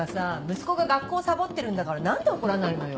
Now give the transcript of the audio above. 息子が学校サボってるんだから何で怒らないのよ。